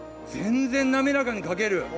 全然なめらかに書ける！